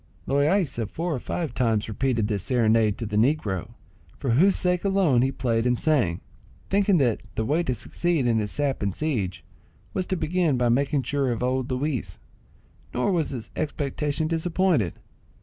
Loaysa four or five times repeated this serenade to the negro, for whose sake alone he played and sang, thinking that the way to succeed in his sap and siege was to begin by making sure of old Luis; nor was his expectation disappointed.